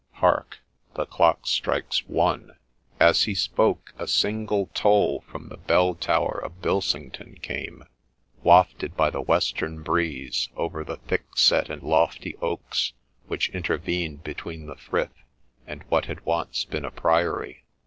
Hark I the clock strikes One /' As he spoke, a single toll from the bell 82 MBS. BOTHERBY'S STORY tower of Bilsington came, wafted by the western breeze, over the thick set and lofty oaks which intervened between the Frith and what had been once a priory.